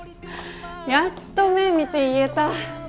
やっと目見て言えた。